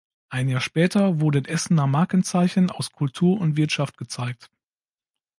Ein Jahr später wurden Essener Markenzeichen aus Kultur und Wirtschaft gezeigt.